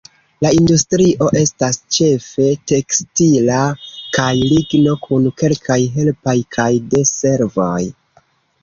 La industrio estas ĉefe tekstila kaj ligno, kun kelkaj helpaj kaj de servoj.